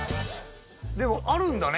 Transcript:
でもあるんだね